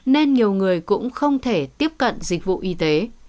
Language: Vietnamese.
nên nhiều người cũng không thể tiếp cận dịch vụ y tế